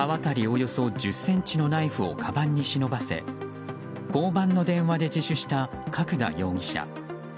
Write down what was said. およそ１０ｃｍのナイフをかばんに忍ばせ交番の電話で自首した角田容疑者。